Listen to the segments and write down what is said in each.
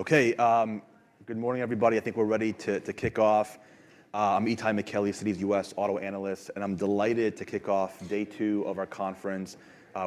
Okay, good morning, everybody. I think we're ready to kick off. I'm Itay Michaeli, Citi's U.S. Auto Analyst, and I'm delighted to kick off day two of our conference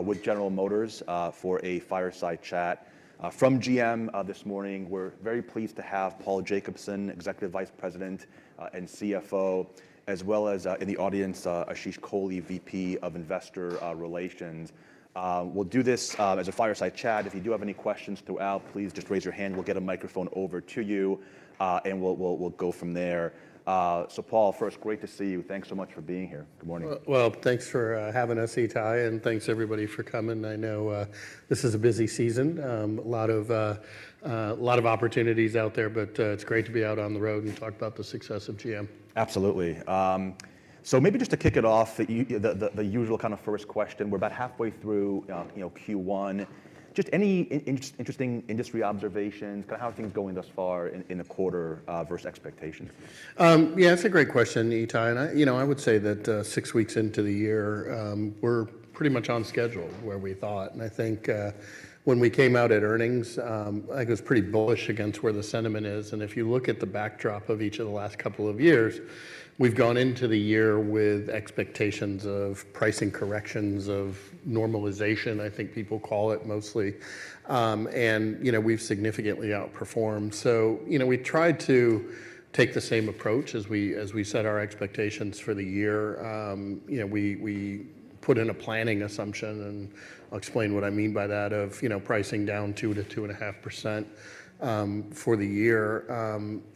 with General Motors for a fireside chat. From GM this morning, we're very pleased to have Paul Jacobson, Executive Vice President and CFO, as well as in the audience Ashish Kohli, VP of Investor Relations. We'll do this as a fireside chat. If you do have any questions throughout, please just raise your hand. We'll get a microphone over to you, and we'll go from there. So Paul, first, great to see you. Thanks so much for being here. Good morning. Well, well, thanks for having us, Itay, and thanks, everybody, for coming. I know, this is a busy season. A lot of, a lot of opportunities out there, but, it's great to be out on the road and talk about the success of GM. Absolutely. So maybe just to kick it off, the usual kind of first question, we're about halfway through, you know, Q1, just any interesting industry observations, kind of how are things going thus far in the quarter versus expectations? Yeah, that's a great question, Itay, and I, you know, I would say that, six weeks into the year, we're pretty much on schedule where we thought. And I think, when we came out at earnings, I think it was pretty bullish against where the sentiment is, and if you look at the backdrop of each of the last couple of years, we've gone into the year with expectations of pricing corrections, of normalization, I think people call it mostly. And, you know, we've significantly outperformed. So, you know, we tried to take the same approach as we, as we set our expectations for the year. You know, we, we put in a planning assumption, and I'll explain what I mean by that, of, you know, pricing down 2% - 2.5%, for the year.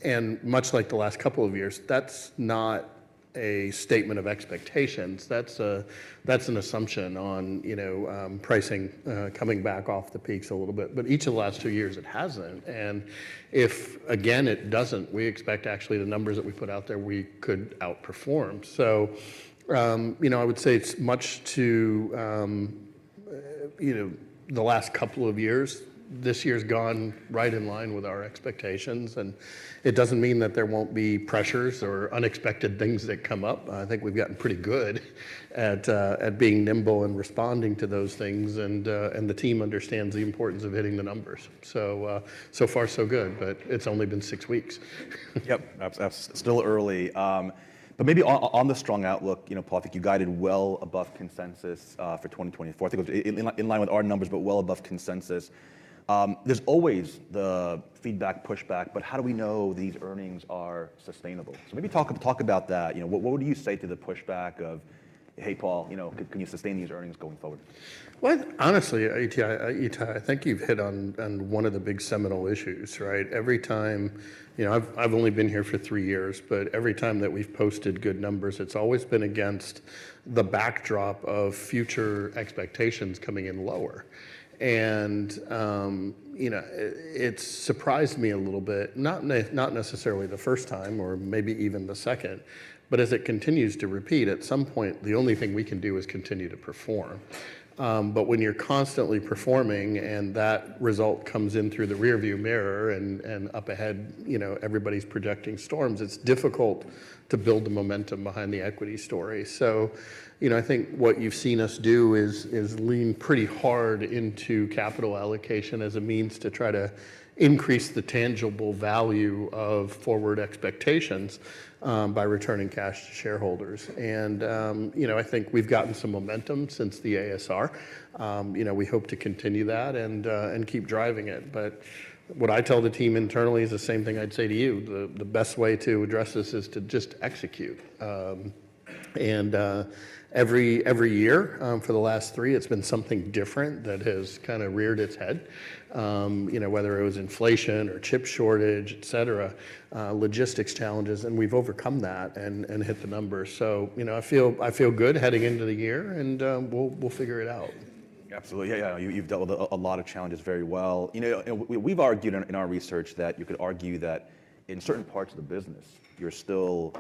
And much like the last couple of years, that's not a statement of expectations. That's an assumption on, you know, pricing, coming back off the peaks a little bit. But each of the last two years, it hasn't, and if, again, it doesn't, we expect, actually, the numbers that we put out there, we could outperform. So, you know, I would say it's much to, you know, the last couple of years, this year's gone right in line with our expectations, and it doesn't mean that there won't be pressures or unexpected things that come up. I think we've gotten pretty good at being nimble and responding to those things, and the team understands the importance of hitting the numbers. So, so far, so good, but it's only been six weeks. Yep, absolutely. Still early. But maybe on the strong outlook, you know, Paul, I think you guided well above consensus for 2024. I think it was in line with our numbers, but well above consensus. There's always the feedback, pushback, but how do we know these earnings are sustainable? So maybe talk about that. You know, what would you say to the pushback of, "Hey, Paul, you know, can you sustain these earnings going forward?" Well, honestly, Itay, Itay, I think you've hit on, on one of the big seminal issues, right? Every time... You know, I've, I've only been here for three years, but every time that we've posted good numbers, it's always been against the backdrop of future expectations coming in lower. You know, it's surprised me a little bit, not necessarily the first time or maybe even the second, but as it continues to repeat, at some point, the only thing we can do is continue to perform. But when you're constantly performing and that result comes in through the rearview mirror, and, and up ahead, you know, everybody's projecting storms, it's difficult to build the momentum behind the equity story. So, you know, I think what you've seen us do is lean pretty hard into capital allocation as a means to try to increase the tangible value of forward expectations by returning cash to shareholders. And, you know, I think we've gotten some momentum since the ASR. You know, we hope to continue that, and keep driving it. But what I tell the team internally is the same thing I'd say to you: the best way to address this is to just execute. And, every year for the last three, it's been something different that has kind of reared its head, you know, whether it was inflation or chip shortage, et cetera, logistics challenges, and we've overcome that and hit the numbers. You know, I feel good heading into the year, and we'll figure it out. Absolutely. Yeah, yeah, you've dealt with a lot of challenges very well. You know, and we've argued in our research that you could argue that in certain parts of the business, you're still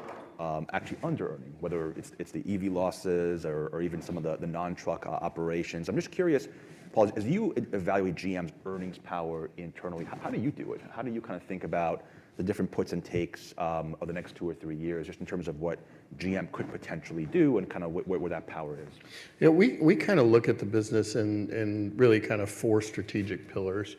actually under-earning, whether it's the EV losses or even some of the non-truck operations. I'm just curious, Paul, as you evaluate GM's earnings power internally, how do you do it? How do you kind of think about the different puts and takes over the next two or three years, just in terms of what GM could potentially do and kind of what, what, where that power is? Yeah, we kind of look at the business in really kind of four strategic pillars,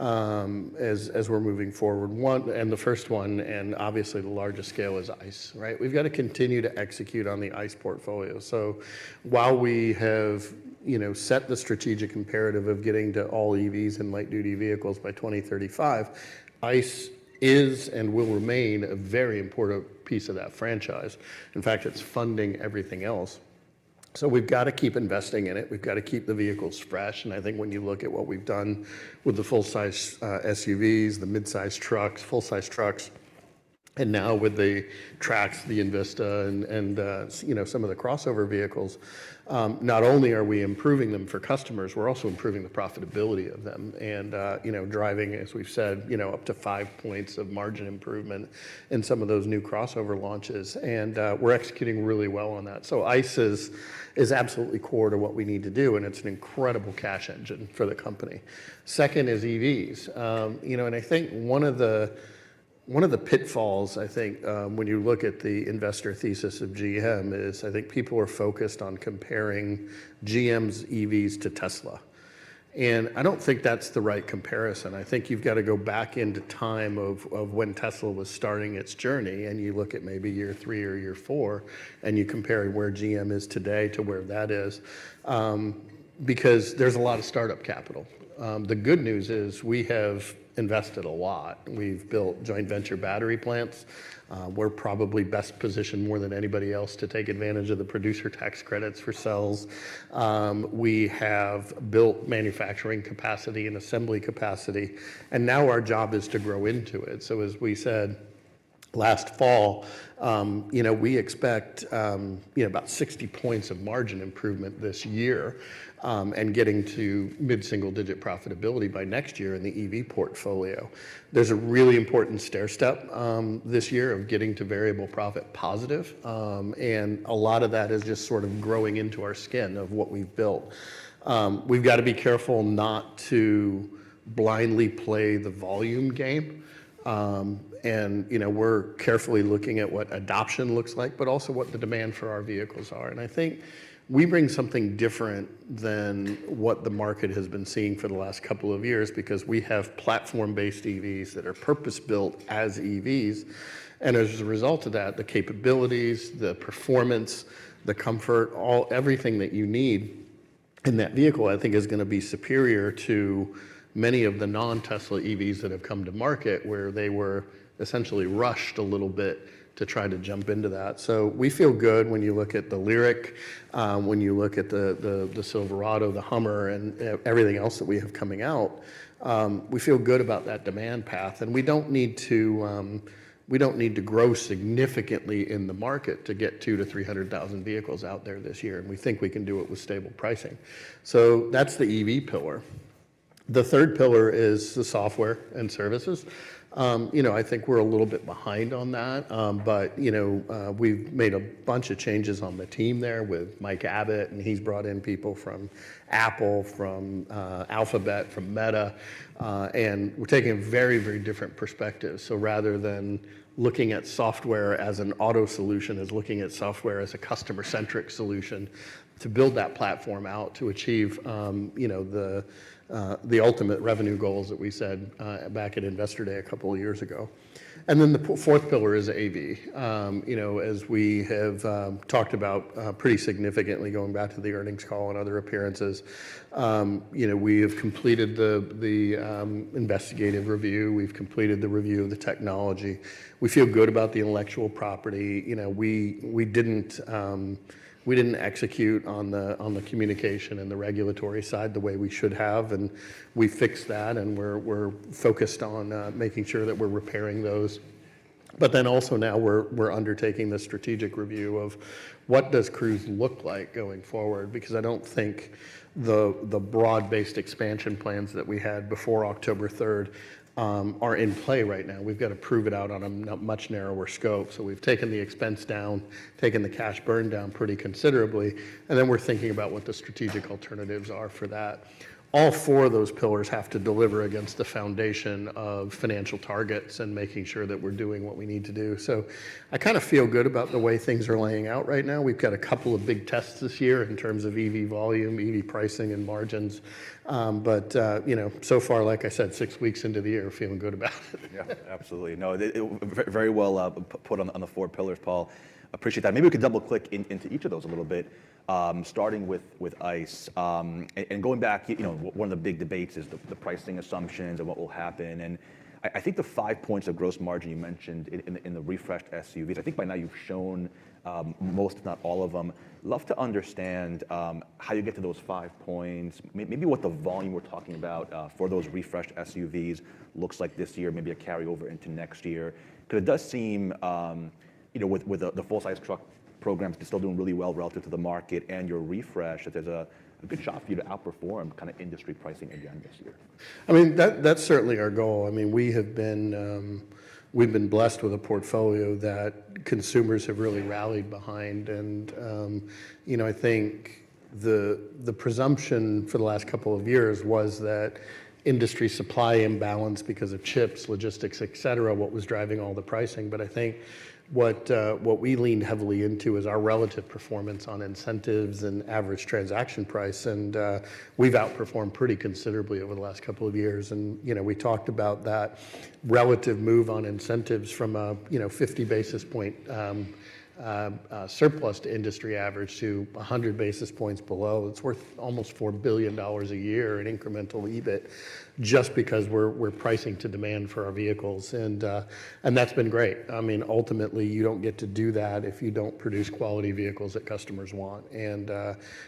as we're moving forward. One, and the first one, and obviously the largest scale, is ICE, right? We've got to continue to execute on the ICE portfolio. So while we have, you know, set the strategic imperative of getting to all EVs and light-duty vehicles by 2035, ICE is and will remain a very important piece of that franchise. In fact, it's funding everything else, so we've got to keep investing in it. We've got to keep the vehicles fresh, and I think when you look at what we've done with the full-size SUVs, the mid-size trucks, full-size trucks, and now with the Trax, the Equinox, and you know, some of the crossover vehicles, not only are we improving them for customers, we're also improving the profitability of them and you know, driving, as we've said, you know, up to five points of margin improvement in some of those new crossover launches, and we're executing really well on that. So ICE is absolutely core to what we need to do, and it's an incredible cash engine for the company. Second is EVs. You know, and I think one of the... One of the pitfalls, I think, when you look at the investor thesis of GM, is I think people are focused on comparing GM's EVs to Tesla, and I don't think that's the right comparison. I think you've got to go back into time of, of when Tesla was starting its journey, and you look at maybe year 3 or year 4, and you compare where GM is today to where that is. Because there's a lot of start-up capital. The good news is we have invested a lot. We've built joint venture battery plants. We're probably best positioned more than anybody else to take advantage of the producer tax credits for cells. We have built manufacturing capacity and assembly capacity, and now our job is to grow into it. So as we said last fall, you know, we expect, you know, about 60 points of margin improvement this year, and getting to mid-single-digit profitability by next year in the EV portfolio. There's a really important stairstep, this year of getting to variable profit positive, and a lot of that is just sort of growing into our skin of what we've built. We've got to be careful not to blindly play the volume game. And, you know, we're carefully looking at what adoption looks like, but also what the demand for our vehicles are. And I think we bring something different than what the market has been seeing for the last couple of years, because we have platform-based EVs that are purpose-built as EVs. As a result of that, the capabilities, the performance, the comfort, all everything that you need in that vehicle, I think is gonna be superior to many of the non-Tesla EVs that have come to market, where they were essentially rushed a little bit to try to jump into that. So we feel good when you look at the Lyriq, when you look at the Silverado, the Hummer, and everything else that we have coming out. We feel good about that demand path, and we don't need to grow significantly in the market to get 200,000-300,000 vehicles out there this year, and we think we can do it with stable pricing. So that's the EV pillar. The third pillar is the software and services. You know, I think we're a little bit behind on that, but, you know, we've made a bunch of changes on the team there with Mike Abbott, and he's brought in people from Apple, from Alphabet, from Meta, and we're taking a very, very different perspective. So rather than looking at software as an auto solution, is looking at software as a customer-centric solution to build that platform out, to achieve, you know, the ultimate revenue goals that we said back at Investor Day a couple of years ago. And then the fourth pillar is AV. You know, as we have talked about pretty significantly going back to the earnings call and other appearances, you know, we have completed the investigative review. We've completed the review of the technology. We feel good about the intellectual property. You know, we didn't execute on the communication and the regulatory side the way we should have, and we fixed that, and we're focused on making sure that we're repairing those. But then also now we're undertaking the strategic review of: What does Cruise look like going forward? Because I don't think the broad-based expansion plans that we had before October 3rd are in play right now. We've got to prove it out on a much narrower scope. So we've taken the expense down, taken the cash burn down pretty considerably, and then we're thinking about what the strategic alternatives are for that. All four of those pillars have to deliver against the foundation of financial targets and making sure that we're doing what we need to do. So I kinda feel good about the way things are laying out right now. We've got a couple of big tests this year in terms of EV volume, EV pricing, and margins. You know, so far, like I said, six weeks into the year, feeling good about it. Yeah, absolutely. No, it was very, very well put on the four pillars, Paul. Appreciate that. Maybe we could double-click into each of those a little bit, starting with ICE. And going back, you know, one of the big debates is the pricing assumptions and what will happen, and I think the 5 points of gross margin you mentioned in the refreshed SUVs, I think by now you've shown most, if not all of them. Love to understand how you get to those 5 points, maybe what the volume we're talking about for those refreshed SUVs looks like this year, maybe a carryover into next year. 'Cause it does seem, you know, with the full-size truck programs still doing really well relative to the market and your refresh, that there's a good shot for you to outperform kind of industry pricing again this year. I mean, that, that's certainly our goal. I mean, we have been, we've been blessed with a portfolio that consumers have really rallied behind. And, you know, I think the, the presumption for the last couple of years was that industry supply imbalance because of chips, logistics, et cetera, what was driving all the pricing. But I think what, what we leaned heavily into is our relative performance on incentives and average transaction price, and, we've outperformed pretty considerably over the last couple of years. And, you know, we talked about that relative move on incentives from a, you know, 50 basis point surplus to industry average to 100 basis points below. It's worth almost $4 billion a year in incremental EBIT just because we're, we're pricing to demand for our vehicles, and, and that's been great. I mean, ultimately, you don't get to do that if you don't produce quality vehicles that customers want, and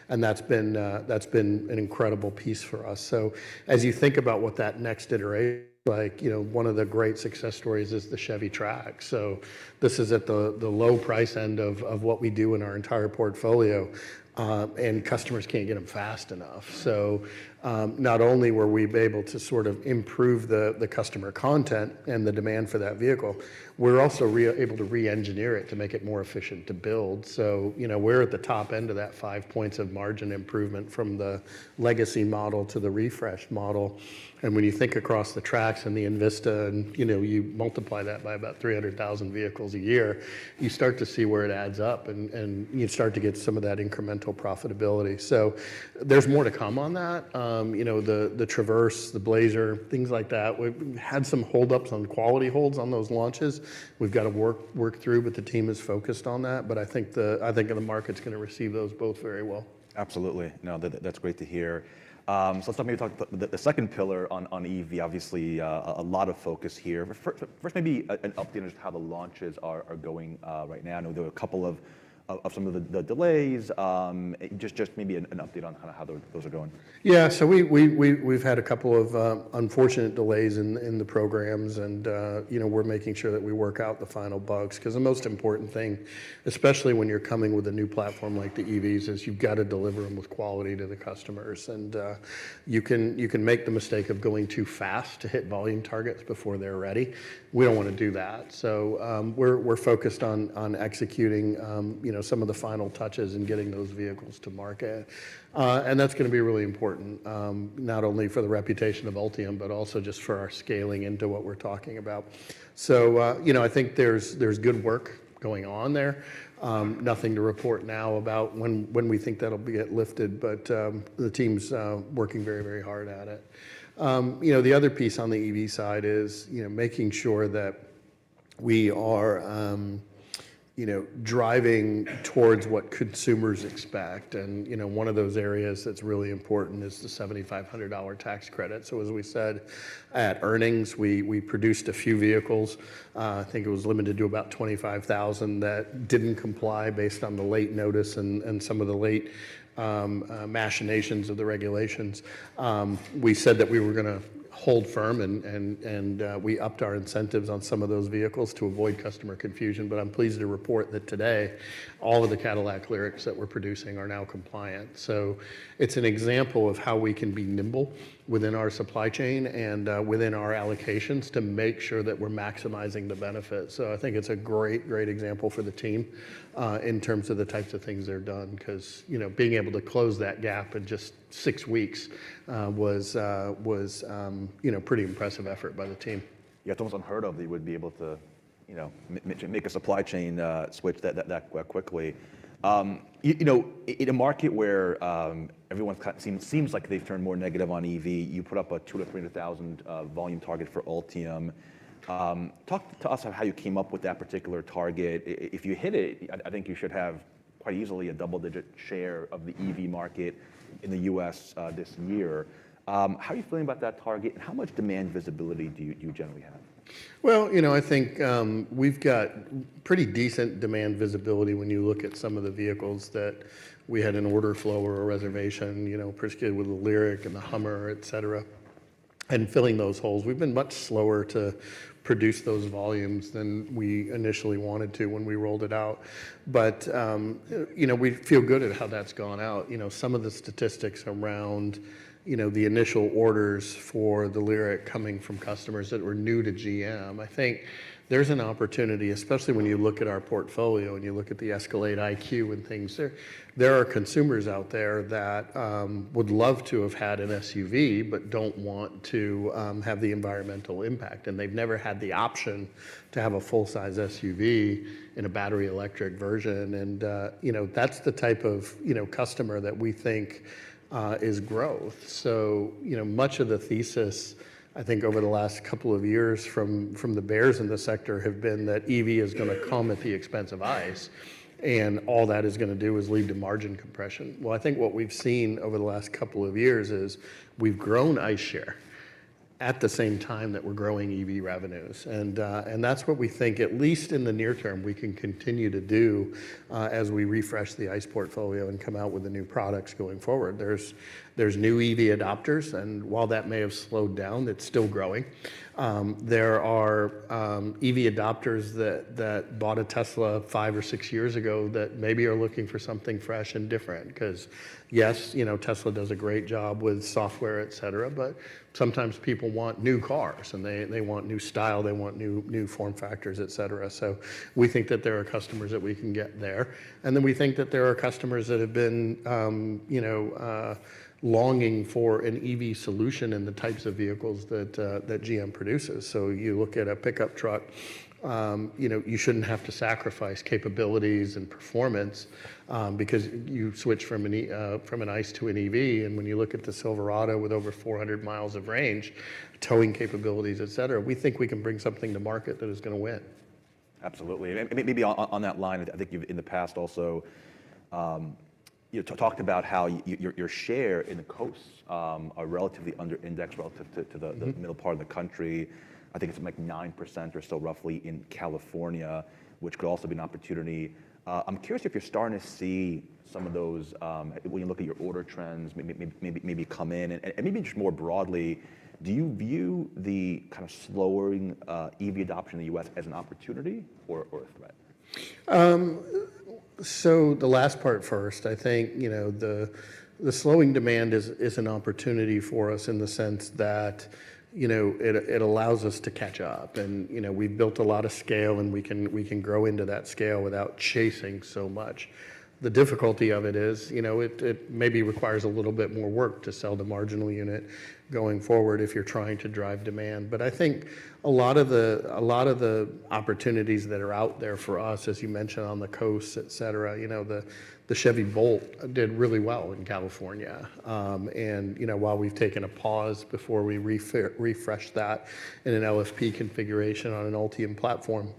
that's been an incredible piece for us. So as you think about what that next iteration, like, you know, one of the great success stories is the Chevy Trax. So this is at the low price end of what we do in our entire portfolio, and customers can't get them fast enough. So, not only were we able to sort of improve the customer content and the demand for that vehicle. We're also able to re-engineer it to make it more efficient to build. So, you know, we're at the top end of that five points of margin improvement from the legacy model to the refreshed model. When you think across the tracks and the Equinox and, you know, you multiply that by about 300,000 vehicles a year, you start to see where it adds up, and you start to get some of that incremental profitability. So there's more to come on that. You know, the Traverse, the Blazer, things like that, we've had some hold ups on quality holds on those launches. We've gotta work through, but the team is focused on that. But I think the market's gonna receive those both very well. Absolutely. No, that, that's great to hear. So let's maybe talk about the second pillar on EV, obviously, a lot of focus here. But first, maybe an update on just how the launches are going right now. I know there were a couple of some of the delays. Just maybe an update on kinda how those are going. Yeah, so we've had a couple of unfortunate delays in the programs, and, you know, we're making sure that we work out the final bugs. 'Cause the most important thing, especially when you're coming with a new platform like the EVs, is you've got to deliver them with quality to the customers. And, you can make the mistake of going too fast to hit volume targets before they're ready. We don't wanna do that. So, we're focused on executing, you know, some of the final touches and getting those vehicles to market. And that's gonna be really important, not only for the reputation of Ultium, but also just for our scaling into what we're talking about. So, you know, I think there's good work going on there. Nothing to report now about when we think that'll get lifted, but the team's working very, very hard at it. You know, the other piece on the EV side is, you know, making sure that we are, you know, driving towards what consumers expect. And, you know, one of those areas that's really important is the $7,500 tax credit. So as we said at earnings, we produced a few vehicles, I think it was limited to about 25,000, that didn't comply based on the late notice and some of the late machinations of the regulations. We said that we were gonna hold firm, and we upped our incentives on some of those vehicles to avoid customer confusion. I'm pleased to report that today, all of the Cadillac Lyriqs that we're producing are now compliant. It's an example of how we can be nimble within our supply chain and within our allocations to make sure that we're maximizing the benefit. I think it's a great, great example for the team in terms of the types of things that are done, 'cause, you know, being able to close that gap in just six weeks was you know pretty impressive effort by the team. Yeah, it's almost unheard of that you would be able to, you know, make a supply chain switch that quickly. You know, in a market where everyone kind of seems like they've turned more negative on EV, you put up a 200,000-300,000 volume target for Ultium. Talk to us on how you came up with that particular target. If you hit it, I think you should have quite easily a double-digit share of the EV market in the U.S. this year. How are you feeling about that target, and how much demand visibility do you generally have? Well, you know, I think, we've got pretty decent demand visibility when you look at some of the vehicles that we had an order flow or a reservation, you know, particularly with the Lyriq and the Hummer, et cetera, and filling those holes. We've been much slower to produce those volumes than we initially wanted to when we rolled it out. But, you know, we feel good at how that's gone out. You know, some of the statistics around, you know, the initial orders for the Lyriq coming from customers that were new to GM, I think there's an opportunity, especially when you look at our portfolio and you look at the Escalade IQ and things there. There are consumers out there that would love to have had an SUV, but don't want to have the environmental impact, and they've never had the option to have a full-size SUV in a battery electric version. And you know, that's the type of you know, customer that we think is growth. So, you know, much of the thesis, I think, over the last couple of years from the bears in the sector, have been that EV is gonna come at the expense of ICE, and all that is gonna do is lead to margin compression. Well, I think what we've seen over the last couple of years is we've grown ICE share at the same time that we're growing EV revenues. That's what we think, at least in the near term, we can continue to do, as we refresh the ICE portfolio and come out with the new products going forward. There's new EV adopters, and while that may have slowed down, it's still growing. There are EV adopters that bought a Tesla five or six years ago, that maybe are looking for something fresh and different, 'cause, yes, you know, Tesla does a great job with software, et cetera, but sometimes people want new cars, and they want new style, they want new form factors, et cetera. So we think that there are customers that we can get there. Then we think that there are customers that have been, you know, longing for an EV solution in the types of vehicles that GM produces. So you look at a pickup truck, you know, you shouldn't have to sacrifice capabilities and performance, because you've switched from an ICE to an EV. And when you look at the Silverado with over 400 miles of range, towing capabilities, et cetera, we think we can bring something to market that is gonna win. Absolutely. And maybe on that line, I think you've, in the past also, you talked about how your share in the coast are relatively under indexed relative to, to, to the middle part of the country. I think it's like 9% or so, roughly, in California, which could also be an opportunity. I'm curious if you're starting to see some of those... when you look at your order trends, maybe come in. And maybe just more broadly, do you view the kind of slowing EV adoption in the U.S. as an opportunity or a threat?... So the last part first, I think, you know, the slowing demand is an opportunity for us in the sense that, you know, it allows us to catch up. And, you know, we've built a lot of scale, and we can grow into that scale without chasing so much. The difficulty of it is, you know, it maybe requires a little bit more work to sell the marginal unit going forward if you're trying to drive demand. But I think a lot of the opportunities that are out there for us, as you mentioned, on the coasts, et cetera, you know, the Chevy Bolt did really well in California. And, you know, while we've taken a pause before we refresh that in an LFP configuration on an Ultium platform,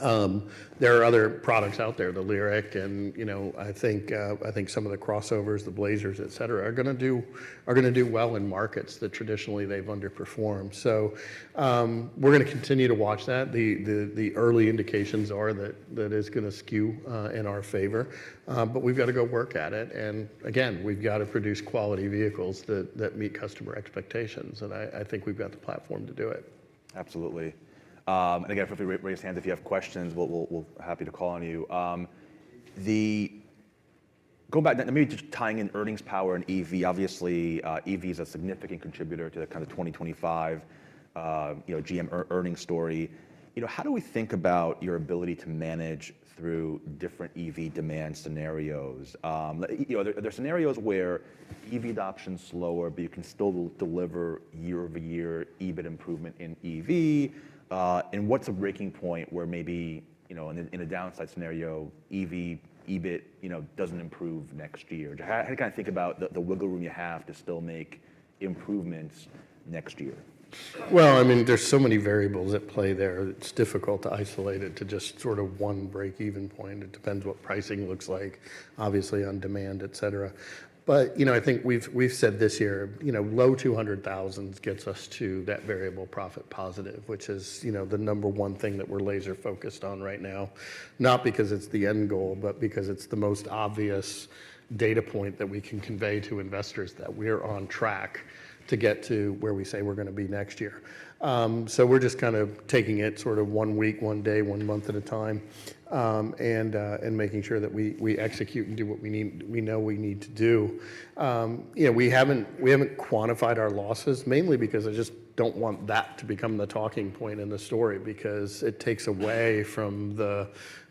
there are other products out there, the Lyriq and, you know, I think some of the crossovers, the Blazers, et cetera, are gonna do, are gonna do well in markets that traditionally they've underperformed. So, we're gonna continue to watch that. The early indications are that it's gonna skew in our favor, but we've got to go work at it, and again, we've got to produce quality vehicles that meet customer expectations, and I think we've got the platform to do it. Absolutely. And again, feel free to raise hands if you have questions, we'll be happy to call on you. Going back, now let me just tie in earnings power and EV. Obviously, EV is a significant contributor to the kind of 2025, you know, GM earnings story. You know, how do we think about your ability to manage through different EV demand scenarios? You know, there are scenarios where EV adoption's slower, but you can still deliver year-over-year EBIT improvement in EV. And what's a breaking point where maybe, you know, in a downside scenario, EV EBIT doesn't improve next year? How do you kind of think about the wiggle room you have to still make improvements next year? Well, I mean, there's so many variables at play there. It's difficult to isolate it to just sort of one break-even point. It depends what pricing looks like, obviously, on demand, et cetera. But, you know, I think we've said this year, you know, low 200,000s gets us to that variable profit positive, which is, you know, the number one thing that we're laser-focused on right now. Not because it's the end goal, but because it's the most obvious data point that we can convey to investors, that we're on track to get to where we say we're gonna be next year. So we're just kind of taking it sort of one week, one day, one month at a time, and making sure that we execute and do what we need, we know we need to do. You know, we haven't quantified our losses, mainly because I just don't want that to become the talking point in the story because it takes away from the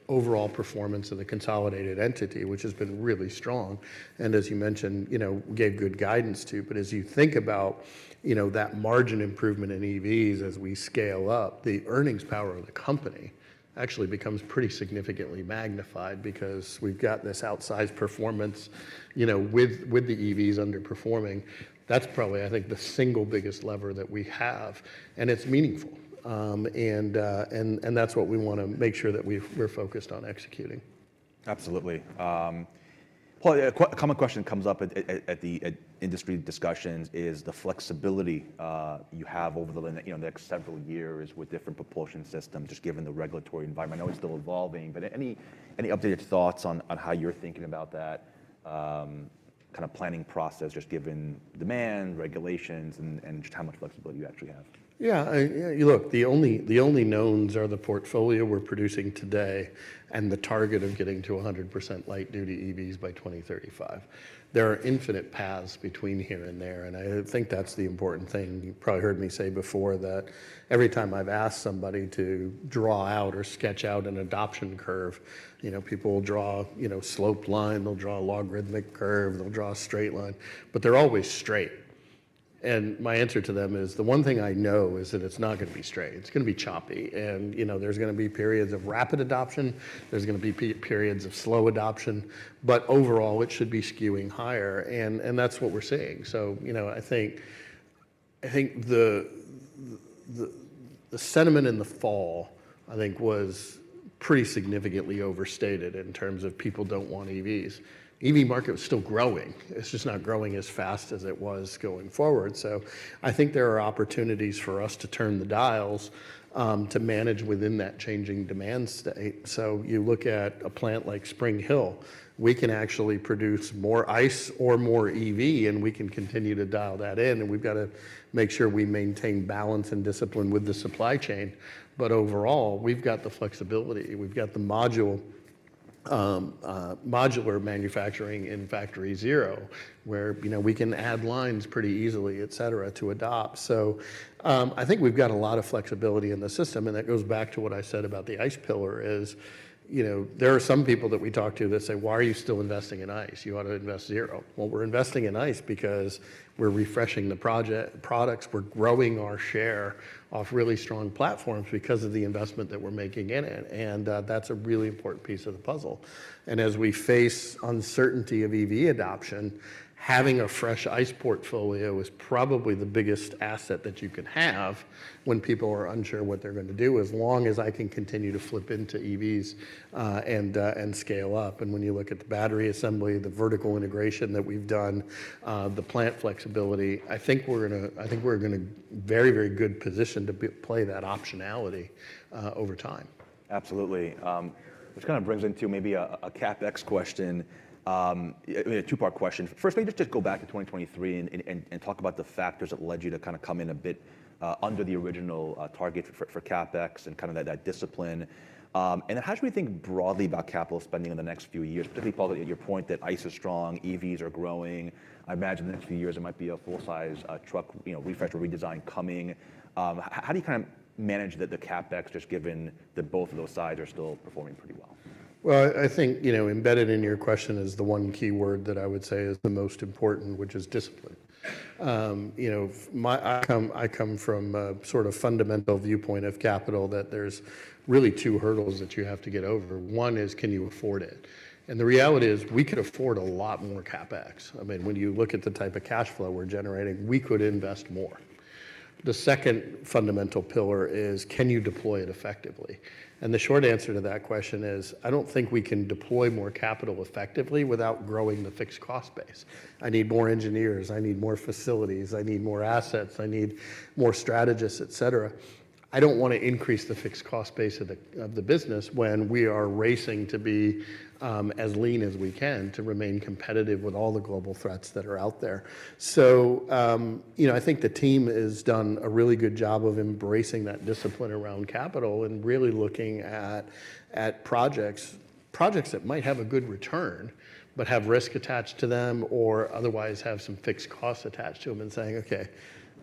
overall performance of the consolidated entity, which has been really strong, and as you mentioned, you know, gave good guidance, too. But as you think about, you know, that margin improvement in EVs as we scale up, the earnings power of the company actually becomes pretty significantly magnified because we've got this outsized performance, you know, with, with the EVs underperforming. That's probably, I think, the single biggest lever that we have, and it's meaningful. And that's what we want to make sure that we're focused on executing. Absolutely. Well, a common question that comes up at industry discussions is the flexibility you have over the, you know, the next several years with different propulsion systems, just given the regulatory environment. I know it's still evolving, but any updated thoughts on how you're thinking about that kind of planning process, just given demand, regulations, and just how much flexibility you actually have? Yeah. Yeah, look, the only, the only knowns are the portfolio we're producing today and the target of getting to 100% light-duty EVs by 2035. There are infinite paths between here and there, and I think that's the important thing. You probably heard me say before that every time I've asked somebody to draw out or sketch out an adoption curve, you know, people will draw, you know, sloped line, they'll draw a logarithmic curve, they'll draw a straight line, but they're always straight. And my answer to them is, the one thing I know is that it's not gonna be straight. It's gonna be choppy, and, you know, there's gonna be periods of rapid adoption, there's gonna be periods of slow adoption, but overall, it should be skewing higher, and, and that's what we're seeing. So, you know, I think the sentiment in the fall, I think, was pretty significantly overstated in terms of people don't want EVs. EV market is still growing. It's just not growing as fast as it was going forward. So I think there are opportunities for us to turn the dials to manage within that changing demand state. So you look at a plant like Spring Hill, we can actually produce more ICE or more EV, and we can continue to dial that in, and we've got to make sure we maintain balance and discipline with the supply chain. But overall, we've got the flexibility, we've got the modular manufacturing in Factory Zero, where, you know, we can add lines pretty easily, et cetera, to adopt. So, I think we've got a lot of flexibility in the system, and that goes back to what I said about the ICE pillar is, you know, there are some people that we talk to that say: "Why are you still investing in ICE? You ought to invest zero." Well, we're investing in ICE because we're refreshing the products, we're growing our share of really strong platforms because of the investment that we're making in it, and that's a really important piece of the puzzle. And as we face uncertainty of EV adoption, having a fresh ICE portfolio is probably the biggest asset that you could have when people are unsure what they're going to do, as long as I can continue to flip into EVs and scale up. When you look at the battery assembly, the vertical integration that we've done, the plant flexibility, I think we're gonna, I think we're in a very, very good position to play that optionality, over time. Absolutely. Which kind of brings into maybe a CapEx question. I mean, a two-part question. Firstly, just go back to 2023 and talk about the factors that led you to kind of come in a bit under the original target for CapEx and kind of that discipline. And then how should we think broadly about capital spending in the next few years, particularly following your point that ICE is strong, EVs are growing? I imagine in a few years there might be a full-size truck, you know, refresh or redesign coming. How do you kind of manage the CapEx, just given that both of those sides are still performing pretty well? Well, I think, you know, embedded in your question is the one key word that I would say is the most important, which is discipline. You know, I come from a sort of fundamental viewpoint of capital, that there's really two hurdles that you have to get over. One is, can you afford it? And the reality is, we could afford a lot more CapEx. I mean, when you look at the type of cash flow we're generating, we could invest more. The second fundamental pillar is, can you deploy it effectively? And the short answer to that question is, I don't think we can deploy more capital effectively without growing the fixed cost base. I need more engineers, I need more facilities, I need more assets, I need more strategists, et cetera. I don't wanna increase the fixed cost base of the business when we are racing to be as lean as we can to remain competitive with all the global threats that are out there. So, you know, I think the team has done a really good job of embracing that discipline around capital and really looking at projects that might have a good return, but have risk attached to them, or otherwise have some fixed costs attached to them, and saying, "Okay,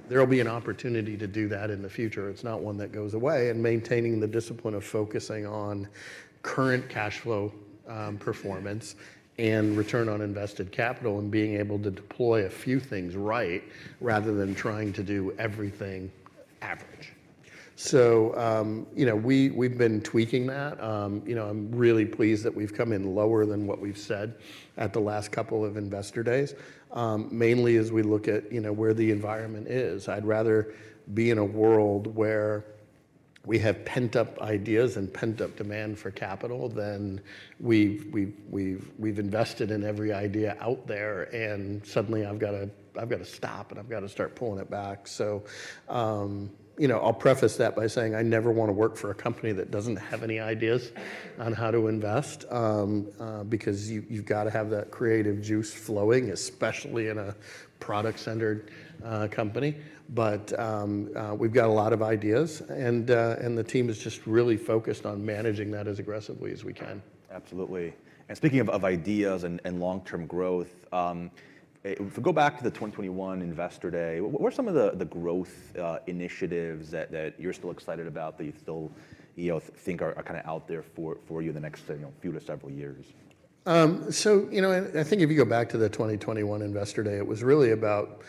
there'll be an opportunity to do that in the future. It's not one that goes away," and maintaining the discipline of focusing on current cash flow, performance and return on invested capital, and being able to deploy a few things right, rather than trying to do everything average. So, you know, we've been tweaking that. You know, I'm really pleased that we've come in lower than what we've said at the last couple of investor days. Mainly as we look at, you know, where the environment is, I'd rather be in a world where we have pent-up ideas and pent-up demand for capital than we've invested in every idea out there, and suddenly I've gotta stop, and I've gotta start pulling it back. So, you know, I'll preface that by saying, I never wanna work for a company that doesn't have any ideas on how to invest, because you've gotta have that creative juice flowing, especially in a product-centered company. But, we've got a lot of ideas, and the team is just really focused on managing that as aggressively as we can. Absolutely. And speaking of ideas and long-term growth, if we go back to the 2021 Investor Day, what are some of the growth initiatives that you're still excited about, that you still, you know, think are kinda out there for you in the next, you know, few to several years? So, you know, and I think if you go back to the 2021 Investor Day, it was really about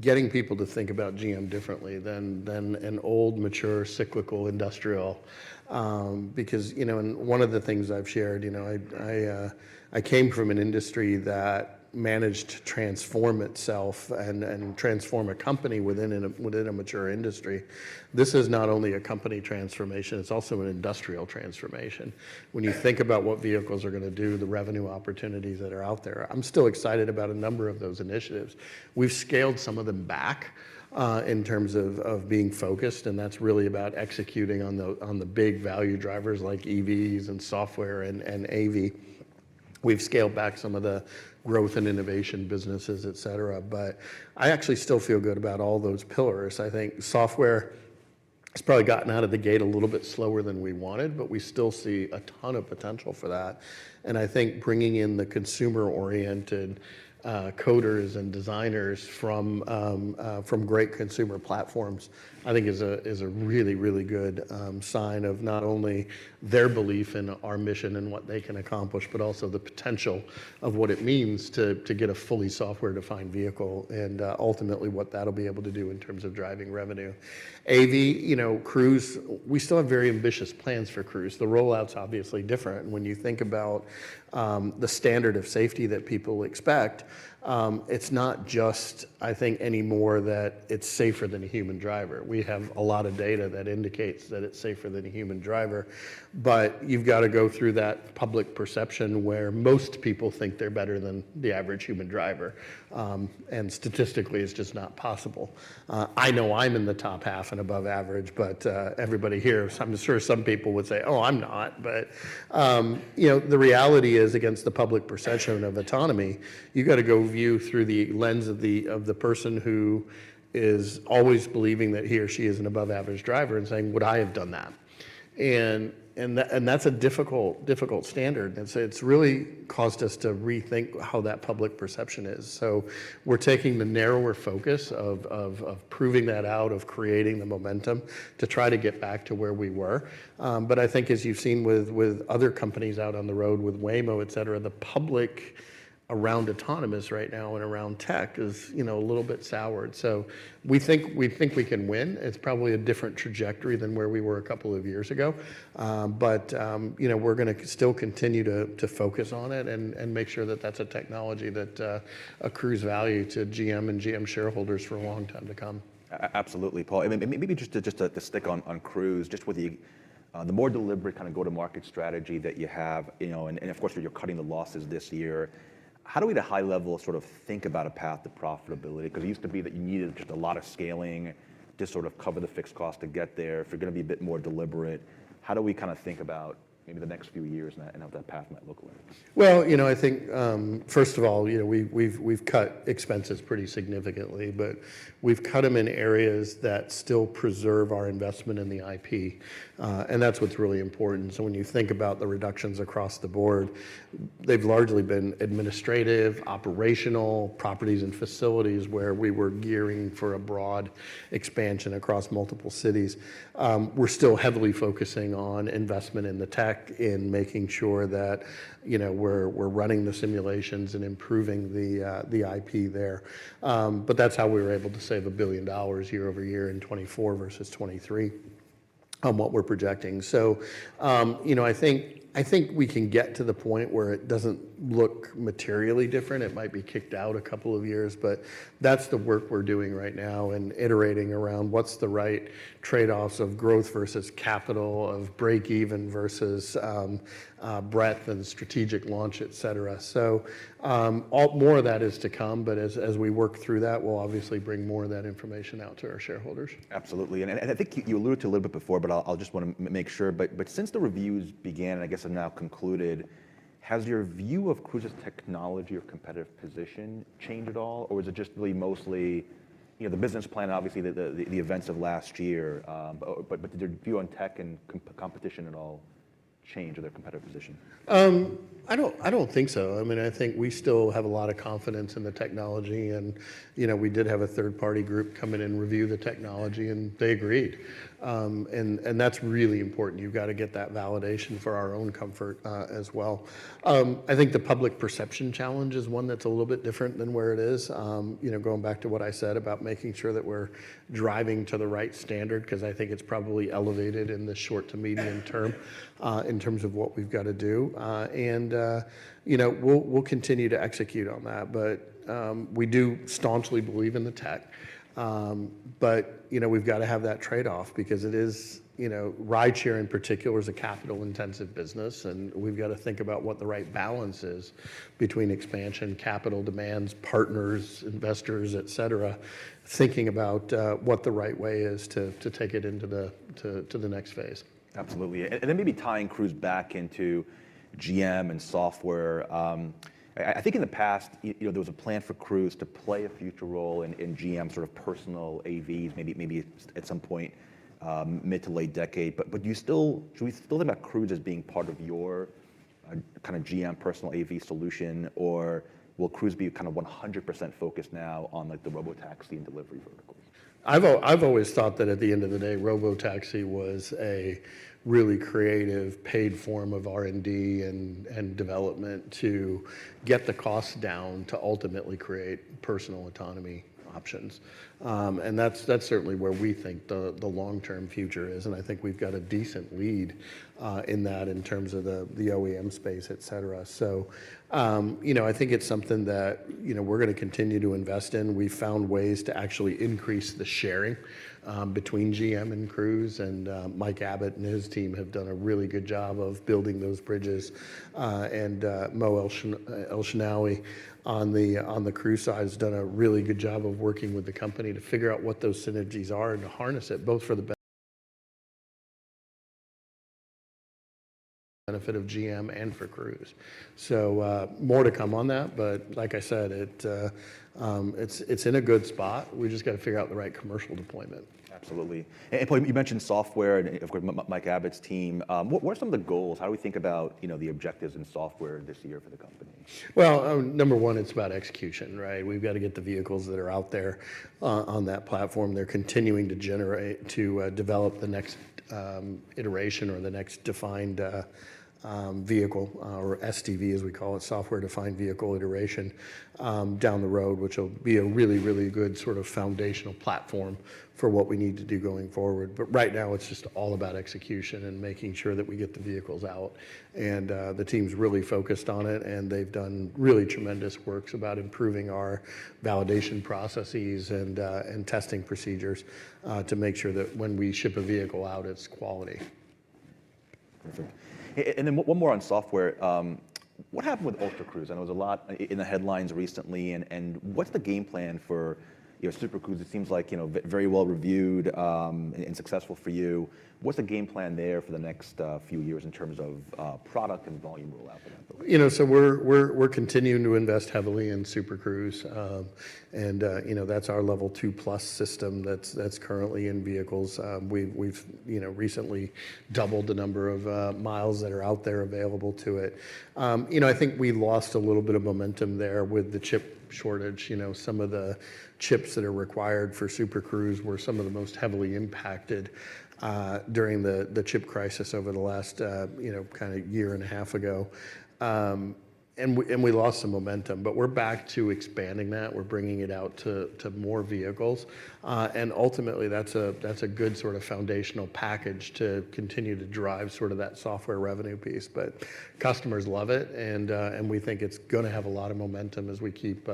getting people to think about GM differently than an old, mature, cyclical industrial. Because, you know, and one of the things I've shared, you know, I came from an industry that managed to transform itself and transform a company within a mature industry. This is not only a company transformation, it's also an industrial transformation. When you think about what vehicles are gonna do, the revenue opportunities that are out there, I'm still excited about a number of those initiatives. We've scaled some of them back in terms of being focused, and that's really about executing on the big value drivers like EVs and software and AV. We've scaled back some of the growth and innovation businesses, et cetera, but I actually still feel good about all those pillars. I think software has probably gotten out of the gate a little bit slower than we wanted, but we still see a ton of potential for that, and I think bringing in the consumer-oriented, coders and designers from great consumer platforms, I think is a really, really good sign of not only their belief in our mission and what they can accomplish, but also the potential of what it means to get a fully software-defined vehicle, and ultimately, what that'll be able to do in terms of driving revenue. AV, you know, Cruise, we still have very ambitious plans for Cruise. The rollout's obviously different. When you think about the standard of safety that people expect, it's not just, I think, anymore that it's safer than a human driver. We have a lot of data that indicates that it's safer than a human driver, but you've gotta go through that public perception, where most people think they're better than the average human driver, and statistically, it's just not possible. I know I'm in the top half and above average, but everybody here. I'm sure some people would say, "Oh, I'm not." But, you know, the reality is, against the public perception of autonomy, you've gotta go view through the lens of the, of the person who is always believing that he or she is an above average driver, and saying, "Would I have done that?" And, and that, and that's a difficult, difficult standard, and so it's really caused us to rethink how that public perception is. So we're taking the narrower focus of, of, of proving that out, of creating the momentum, to try to get back to where we were. But I think as you've seen with, with other companies out on the road, with Waymo, et cetera, the public around autonomous right now and around tech is, you know, a little bit soured. So we think, we think we can win. It's probably a different trajectory than where we were a couple of years ago, but, you know, we're gonna still continue to focus on it and make sure that that's a technology that accrues value to GM and GM shareholders for a long time to come. Absolutely, Paul, and maybe just to stick on Cruise, just with the more deliberate kind of go-to-market strategy that you have, you know, and of course, you're cutting the losses this year, how do we at a high level sort of think about a path to profitability? Because it used to be that you needed just a lot of scaling to sort of cover the fixed cost to get there. If you're gonna be a bit more deliberate, how do we kind of think about maybe the next few years and that, and how that path might look like? Well, you know, I think, first of all, you know, we've cut expenses pretty significantly, but we've cut them in areas that still preserve our investment in the IP, and that's what's really important. So when you think about the reductions across the board, they've largely been administrative, operational, properties and facilities, where we were gearing for a broad expansion across multiple cities. We're still heavily focusing on investment in the tech, in making sure that, you know, we're running the simulations and improving the IP there. But that's how we were able to save $1 billion year-over-year in 2024 versus 2023, on what we're projecting. So, you know, I think we can get to the point where it doesn't look materially different. It might be kicked out a couple of years, but that's the work we're doing right now, and iterating around what's the right trade-offs of growth versus capital, of break even versus, breadth and strategic launch, et cetera. So, more of that is to come, but as, as we work through that, we'll obviously bring more of that information out to our shareholders. Absolutely. And I think you alluded to it a little bit before, but I'll just wanna make sure, but since the reviews began, and I guess have now concluded, has your view of Cruise's technology or competitive position changed at all? Or is it just really mostly, you know, the business plan, obviously, the events of last year. But did your view on tech and competition at all change or their competitive position? I don't, I don't think so. I mean, I think we still have a lot of confidence in the technology, and, you know, we did have a third-party group come in and review the technology, and they agreed. And, and that's really important. You've gotta get that validation for our own comfort, as well. I think the public perception challenge is one that's a little bit different than where it is. You know, going back to what I said about making sure that we're driving to the right standard, 'cause I think it's probably elevated in the short to medium term, in terms of what we've gotta do. And, you know, we'll, we'll continue to execute on that, but, we do staunchly believe in the tech. But, you know, we've gotta have that trade-off because it is, you know, rideshare in particular is a capital-intensive business, and we've gotta think about what the right balance is between expansion, capital demands, partners, investors, et cetera, thinking about what the right way is to take it into the next phase. Absolutely. And, and then maybe tying Cruise back into GM and software, I think in the past, you know, there was a plan for Cruise to play a future role in, in GM's sort of personal AVs, maybe, maybe at some point, mid to late decade. But do you still, do we still think about Cruise as being part of your, kinda GM personal AV solution, or will Cruise be kind of 100% focused now on, like, the robotaxi and delivery verticals? I've always thought that at the end of the day, robotaxi was a really creative paid form of R&D and, and development to get the cost down to ultimately create personal autonomy options. And that's, that's certainly where we think the, the long-term future is, and I think we've got a decent lead, in that, in terms of the, the OEM space, et cetera. So, you know, I think it's something that, you know, we're gonna continue to invest in. We've found ways to actually increase the sharing, between GM and Cruise, and, Mike Abbott and his team have done a really good job of building those bridges. And Mo Elshenawy on the Cruise side has done a really good job of working with the company to figure out what those synergies are and to harness it, both for the benefit of GM and for Cruise. So, more to come on that, but like I said, it’s in a good spot. We’ve just gotta figure out the right commercial deployment. Absolutely. And you mentioned software, and of course, Mike Abbott's team. What are some of the goals? How do we think about, you know, the objectives in software this year for the company? Well, number one, it's about execution, right? We've gotta get the vehicles that are out there on that platform. They're continuing to generate, to develop the next iteration or the next defined vehicle or SDV, as we call it, software-defined vehicle iteration down the road, which will be a really, really good sort of foundational platform for what we need to do going forward. But right now, it's just all about execution and making sure that we get the vehicles out. And the team's really focused on it, and they've done really tremendous works about improving our validation processes and testing procedures to make sure that when we ship a vehicle out, it's quality. Perfect. And then one more on software. What happened with Ultra Cruise? I know it was a lot in the headlines recently, and what's the game plan for, you know, Super Cruise? It seems like, you know, very well-reviewed, and successful for you. What's the game plan there for the next few years in terms of product and volume rollout for that ability? You know, so we're continuing to invest heavily in Super Cruise. And, you know, that's our Level 2+ system that's currently in vehicles. We've, you know, recently doubled the number of miles that are out there available to it. You know, I think we lost a little bit of momentum there with the chip shortage. You know, some of the chips that are required for Super Cruise were some of the most heavily impacted during the chip crisis over the last, you know, kinda year and a half ago. And we lost some momentum, but we're back to expanding that. We're bringing it out to more vehicles, and ultimately, that's a good sort of foundational package to continue to drive sort of that software revenue piece. But customers love it, and, and we think it's gonna have a lot of momentum as we keep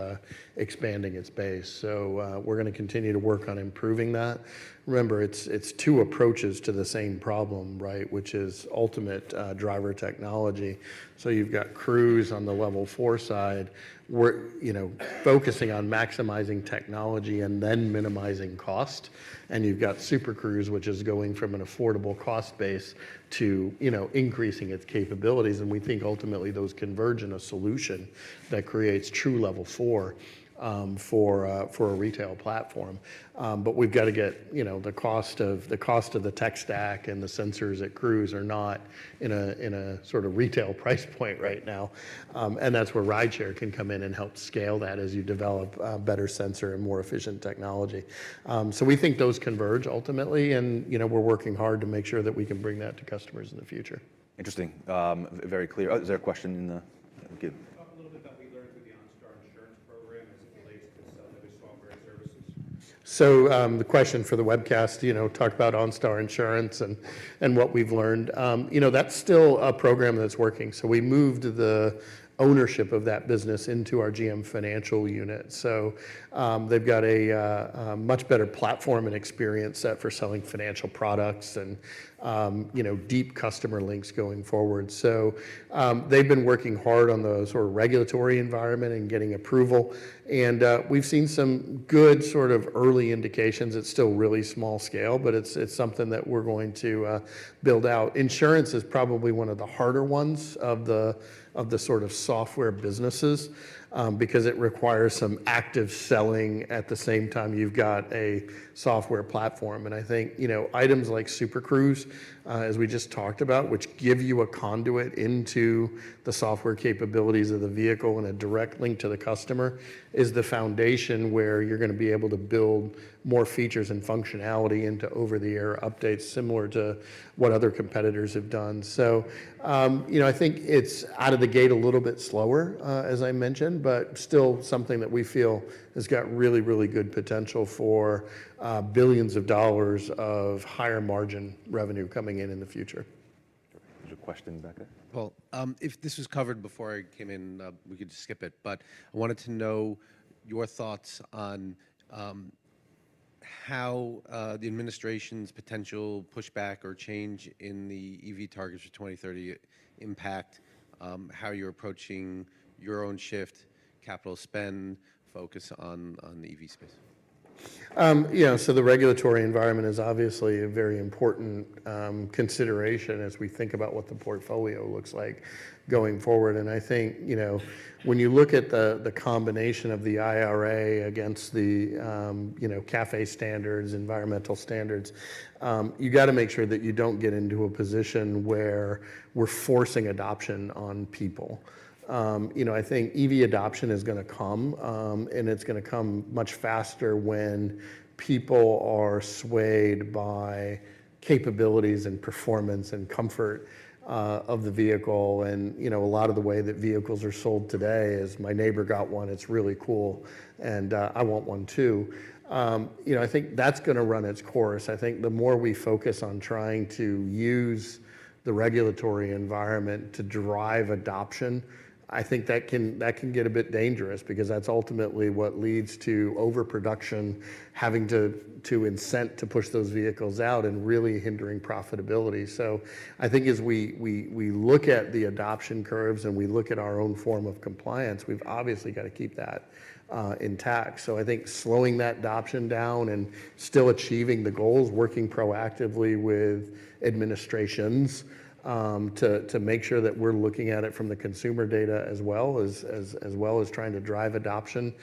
expanding its base. So, we're gonna continue to work on improving that. Remember, it's two approaches to the same problem, right? Which is ultimate driver technology. So you've got Cruise on the Level 4 side. We're, you know, focusing on maximizing technology and then minimizing cost, and you've got Super Cruise, which is going from an affordable cost base to, you know, increasing its capabilities, and we think ultimately those converge in a solution that creates true Level 4 for a retail platform. But we've gotta get, you know, the cost of the tech stack and the sensors at Cruise are not in a sort of retail price point right now. And that's where rideshare can come in and help scale that, as you develop a better sensor and more efficient technology. So we think those converge ultimately, and, you know, we're working hard to make sure that we can bring that to customers in the future. Interesting. Very clear. Oh, is there a question in the... Thank you. So, the question for the webcast, you know, talked about OnStar Insurance and, and what we've learned. You know, that's still a program that's working, so we moved the ownership of that business into our GM Financial unit. So, they've got a, a much better platform and experience set for selling financial products and, you know, deep customer links going forward. So, they've been working hard on the sort of regulatory environment and getting approval, and, we've seen some good sort of early indications. It's still really small scale, but it's, it's something that we're going to, build out. Insurance is probably one of the harder ones of the, of the sort of software businesses, because it requires some active selling at the same time you've got a software platform. I think, you know, items like Super Cruise, as we just talked about, which give you a conduit into the software capabilities of the vehicle and a direct link to the customer, is the foundation where you're gonna be able to build more features and functionality into over-the-air updates, similar to what other competitors have done. So, you know, I think it's out of the gate a little bit slower, as I mentioned, but still something that we feel has got really, really good potential for, billions of dollars of higher margin revenue coming in in the future. There's a question in the back there. Well, if this was covered before I came in, we could just skip it, but I wanted to know your thoughts on how the administration's potential pushback or change in the EV targets for 2030 impact how you're approaching your own shift, capital spend, focus on the EV space? Yeah, so the regulatory environment is obviously a very important consideration as we think about what the portfolio looks like going forward. And I think, you know, when you look at the combination of the IRA against the, you know, CAFE standards, environmental standards, you've got to make sure that you don't get into a position where we're forcing adoption on people. You know, I think EV adoption is gonna come, and it's gonna come much faster when people are swayed by capabilities and performance and comfort of the vehicle. And, you know, a lot of the way that vehicles are sold today is, "My neighbor got one, it's really cool, and I want one, too." You know, I think that's gonna run its course. I think the more we focus on trying to use the regulatory environment to drive adoption, I think that can get a bit dangerous because that's ultimately what leads to overproduction, having to incent to push those vehicles out, and really hindering profitability. So I think as we look at the adoption curves and we look at our own form of compliance, we've obviously got to keep that intact. So I think slowing that adoption down and still achieving the goals, working proactively with administrations to make sure that we're looking at it from the consumer data as well as trying to drive adoption,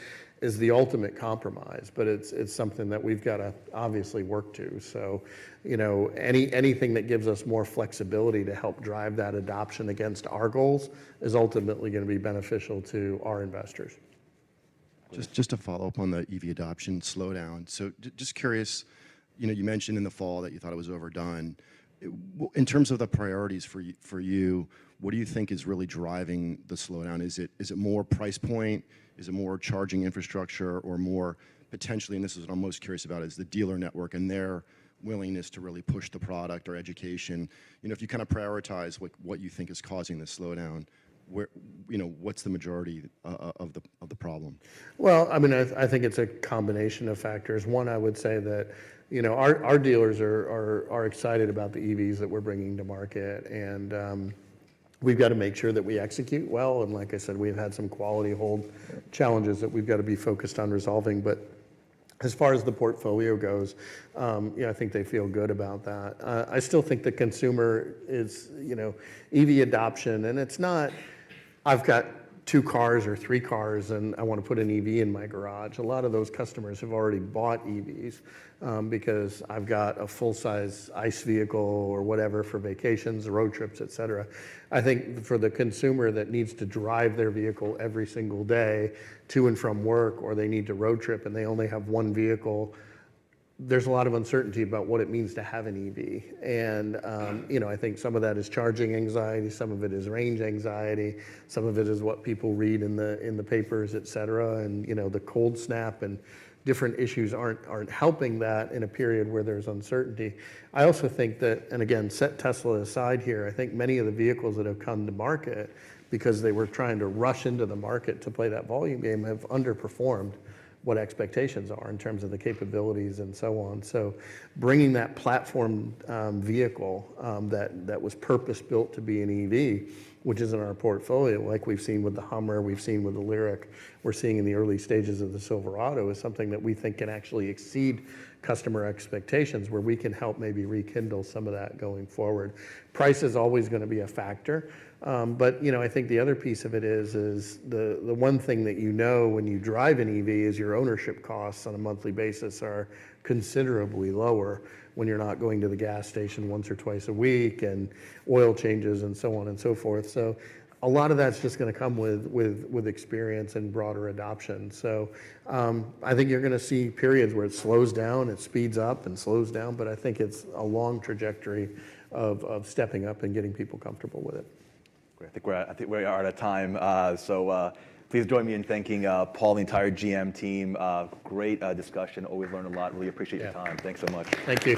is the ultimate compromise, but it's something that we've got to obviously work to. So, you know, anything that gives us more flexibility to help drive that adoption against our goals is ultimately gonna be beneficial to our investors. Just to follow up on the EV adoption slowdown. So just curious, you know, you mentioned in the fall that you thought it was overdone. In terms of the priorities for you, what do you think is really driving the slowdown? Is it more price point? Is it more charging infrastructure or more potentially, and this is what I'm most curious about, is the dealer network and their willingness to really push the product or education? You know, if you kind of prioritize what you think is causing this slowdown, where you know, what's the majority of the problem? Well, I mean, I think it's a combination of factors. One, I would say that, you know, our dealers are excited about the EVs that we're bringing to market, and we've got to make sure that we execute well. And like I said, we've had some quality hold challenges that we've got to be focused on resolving. But as far as the portfolio goes, you know, I think they feel good about that. I still think the consumer is, you know. EV adoption, and it's not, "I've got two cars or three cars, and I want to put an EV in my garage." A lot of those customers have already bought EVs, because, "I've got a full-size ICE vehicle or whatever for vacations, road trips, et cetera." I think for the consumer that needs to drive their vehicle every single day to and from work, or they need to road trip and they only have one vehicle, there's a lot of uncertainty about what it means to have an EV. And, you know, I think some of that is charging anxiety, some of it is range anxiety, some of it is what people read in the papers, et cetera. And, you know, the cold snap and different issues aren't helping that in a period where there's uncertainty. I also think that, and again, set Tesla aside here, I think many of the vehicles that have come to market, because they were trying to rush into the market to play that volume game, have underperformed what expectations are in terms of the capabilities and so on. So bringing that platform, vehicle, that, that was purpose-built to be an EV, which is in our portfolio, like we've seen with the Hummer, we've seen with the Lyriq, we're seeing in the early stages of the Silverado, is something that we think can actually exceed customer expectations, where we can help maybe rekindle some of that going forward. Price is always gonna be a factor, but you know, I think the other piece of it is the one thing that you know when you drive an EV is your ownership costs on a monthly basis are considerably lower when you're not going to the gas station once or twice a week, and oil changes, and so on and so forth. So a lot of that's just gonna come with experience and broader adoption. So, I think you're gonna see periods where it slows down, it speeds up and slows down, but I think it's a long trajectory of stepping up and getting people comfortable with it. Great. I think we are out of time. So, please join me in thanking Paul and the entire GM team. Great discussion. Always learn a lot, and we appreciate your time. Yeah. Thanks so much. Thank you.